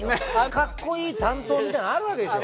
かっこいい担当みたいのあるわけでしょ。